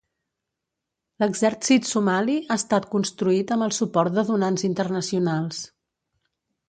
L'exèrcit somali ha estat construït amb el suport de donants internacionals.